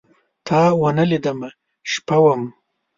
تاونه لیدمه، شپه وم